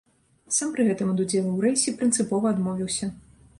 Сам пры гэтым ад удзелу ў рэйсе прынцыпова адмовіўся.